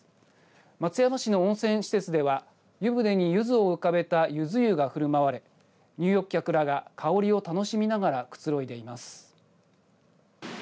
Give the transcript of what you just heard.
松山市の温泉施設では湯船にゆずを浮かべたゆず湯がふるまわれ入浴客らが香りを楽しみながらくつろいでいます。